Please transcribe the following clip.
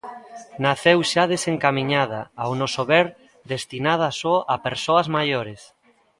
Naceu xa desencamiñada, ao noso ver, destinada só a persoas maiores.